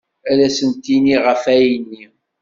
Ad asent-iniɣ ɣef ayenni.